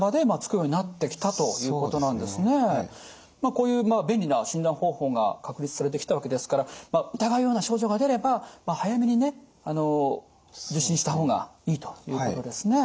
こういう便利な診断方法が確立されてきたわけですから疑うような症状が出れば早めにね受診した方がいいということですね。